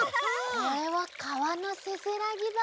これはかわのせせらぎだ。